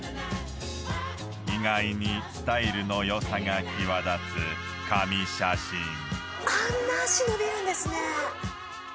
意外にスタイルの良さが際立つ神写真あんな足伸びるんですね